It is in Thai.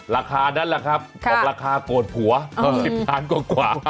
ราคานั้นแหละครับออกราคาโกรธผัว๑๐ล้านกว่า